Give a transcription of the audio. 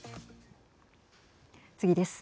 次です。